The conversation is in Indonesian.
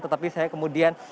tetapi saya kemudian